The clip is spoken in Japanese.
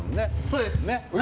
そうです！